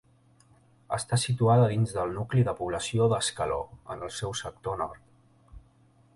Està situada dins del nucli de població d'Escaló, en el seu sector nord.